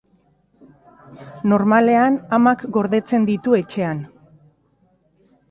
Normalean, amak gordetzen ditu etxean.